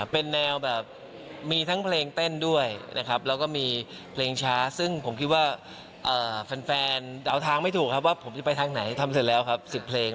เป็นแนวแบบมีทั้งเพลงเต้นด้วยนะครับแล้วก็มีเพลงช้าซึ่งผมคิดว่าแฟนเดาทางไม่ถูกครับว่าผมจะไปทางไหนทำเสร็จแล้วครับ๑๐เพลง